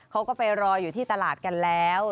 เขาก็ไปรออยู่ที่ตลาดกันแล้ว